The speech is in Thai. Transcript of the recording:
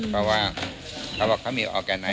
เพราะว่าเขามี